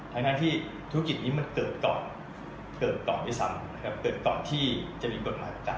ทั้งที่ธุรกิจนี้มันเกิดก่อนที่จะมีกฎหมายโอกาส